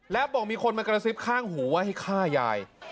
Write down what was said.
แล้วบอกมีคนมากระซิบข้างหูว่าให้ฆ่ายาย